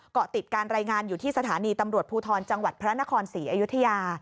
เกาะติดการรายงานอยู่ที่สถานีตำรวจภูทรจังหวัดพระนครศรีอยุธยา